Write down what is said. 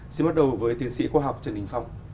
xin bắt đầu với tiến sĩ khoa học trần đình phong